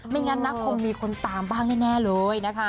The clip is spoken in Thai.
งั้นนะคงมีคนตามบ้างแน่เลยนะคะ